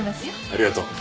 ありがとう。